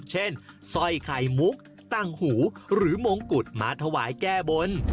สร้อยไข่มุกตั้งหูหรือมงกุฎมาถวายแก้บน